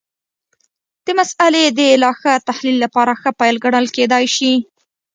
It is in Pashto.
د مسألې د لا ښه تحلیل لپاره ښه پیل ګڼل کېدای شي.